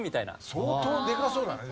相当でかそうだね。